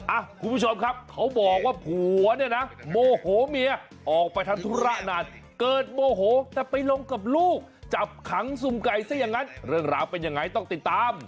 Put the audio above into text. อ่ะคุณผู้ชมครับเขาบอกว่าผัวเนี่ยนะโมโหเมียออกไปทำธุระนานเกิดโมโหแต่ไปลงกับลูกจับขังสุ่มไก่ซะอย่างนั้นเรื่องราวเป็นยังไงต้องติดตาม